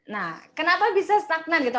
nah kenapa bisa stagnan gitu